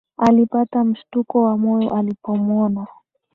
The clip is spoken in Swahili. Alipata mshtuko wa moyo alipomwona